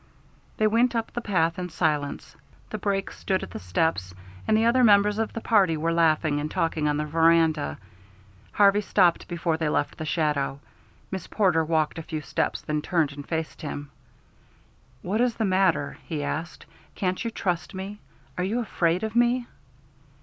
They went up the path in silence. The brake stood at the steps, and the other members of the party were laughing and talking on the veranda. Harvey stopped before they left the shadow. Miss Porter walked a few steps, then turned and faced him. "What is the matter?" he asked. "Can't you trust me? Are you afraid of me?"